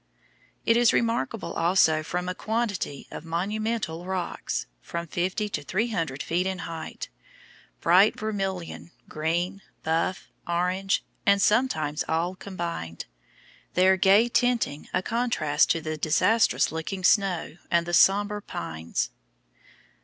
It is remarkable also from a quantity of "monumental" rocks, from 50 to 300 feet in height, bright vermilion, green, buff, orange, and sometimes all combined, their gay tinting a contrast to the disastrous looking snow and the somber pines.